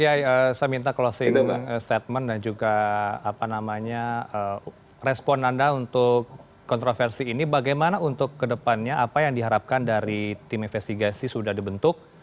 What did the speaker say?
pak kiai saya minta closing statement dan juga respon anda untuk kontroversi ini bagaimana untuk kedepannya apa yang diharapkan dari tim investigasi sudah dibentuk